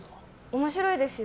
面白いですよ。